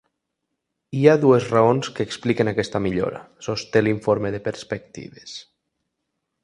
Hi ha dues raons que expliquen aquesta millora, sosté l’informe de perspectives.